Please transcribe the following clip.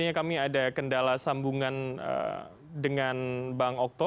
jadi kita akan mencoba sambungan dengan bang okto